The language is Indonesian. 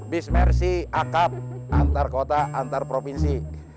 bismersi akap antar kota antar provinsi